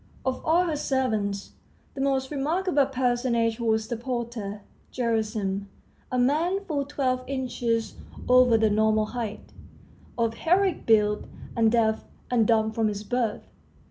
Of all her servants, the most remarkable personage was the porter, Gerasim, a man full twelve inches over the normal height, of heroic build, and deaf and dumb from his birth.